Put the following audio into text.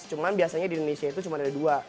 cuman biasanya di indonesia itu cuma ada dua